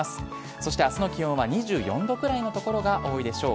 そしてあすの気温は２４度くらいの所が多いでしょう。